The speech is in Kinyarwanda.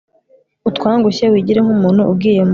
utwangushye wigire nk umuntu ugiye mu